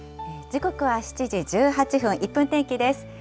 時刻は７時１８分、１分天気です。